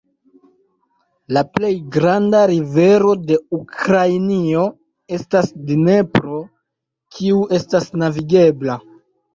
La plej granda rivero de Ukrainio estas Dnepro, kiu estas navigebla.